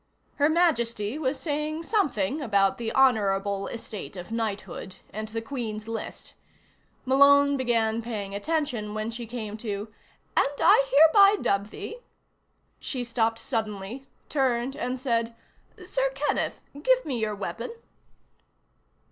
Her Majesty was saying something about the honorable estate of knighthood, and the Queen's list. Malone began paying attention when she came to:" and I hereby dub thee " She stopped suddenly, turned and said: "Sir Kenneth, give me your weapon."